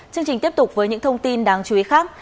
chương trình tiếp tục với những thông tin đáng chú ý khác